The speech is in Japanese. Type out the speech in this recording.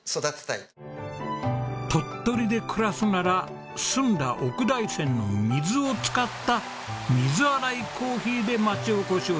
鳥取で暮らすなら澄んだ奥大山の水を使った水洗いコーヒーで町おこしをする！